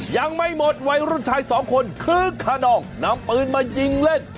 ยังไม่หมดวัยรุ่นชายสองคนคึกขนองนำปืนมายิงเล่น